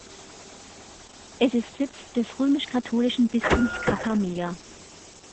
Es ist Sitz des römisch-katholischen Bistums Kakamega.